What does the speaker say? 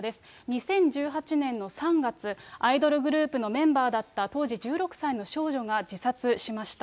２０１８年の３月、アイドルグループのメンバーだった当時１６歳の少女が自殺しました。